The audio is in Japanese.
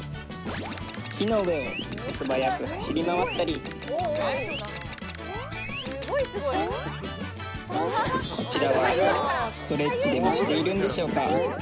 木の上を素早く走り回ったりこちらはストレッチでもしているんでしょうか？